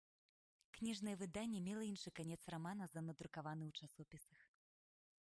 Кніжнае выданне мела іншы канец рамана за надрукаваны ў часопісах.